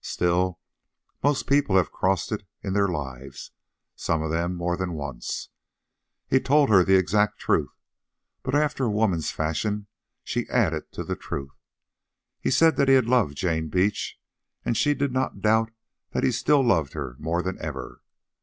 Still, most people have crossed it in their lives, some of them more than once. He told her the exact truth, but after a woman's fashion she added to the truth. He said that he had loved Jane Beach, and she did not doubt that he still loved her more than ever.